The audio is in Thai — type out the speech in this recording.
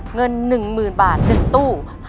เงิน๑๐๐๐บาท๑ตู้